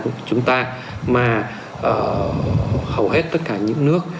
của chúng ta mà hầu hết tất cả những nước